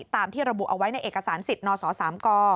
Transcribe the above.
ตามที่ระบุเอาไว้ในเอกสารสิทธิ์นศ๓ก